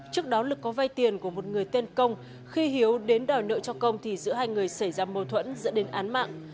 trước đó lực có vay tiền của một người tên công khi hiếu đến đòi nợ cho công thì giữa hai người xảy ra mâu thuẫn dẫn đến án mạng